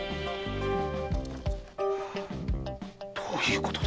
どういうことだ